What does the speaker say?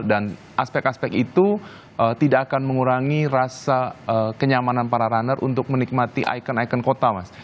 dan aspek aspek itu tidak akan mengurangi rasa kenyamanan para runner untuk menikmati ikon ikon kota mas